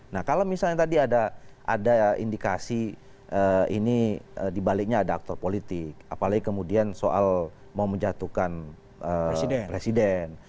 nah kalau misalnya tadi ada indikasi ini dibaliknya ada aktor politik apalagi kemudian soal mau menjatuhkan presiden